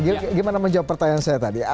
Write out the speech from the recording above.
gimana menjawab pertanyaan saya tadi